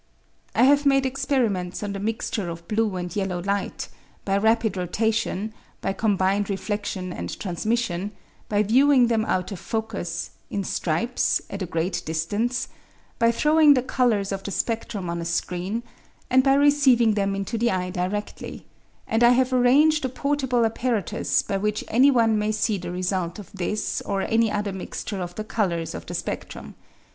I have made experiments on the mixture of blue and yellow light by rapid rotation, by combined reflexion and transmission, by viewing them out of focus, in stripes, at a great distance, by throwing the colours of the spectrum on a screen, and by receiving them into the eye directly; and I have arranged a portable apparatus by which any one may see the result of this or any other mixture of the colours of the spectrum.